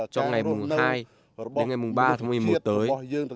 trong ngày mùng hai đến ngày ba tháng một mươi một tới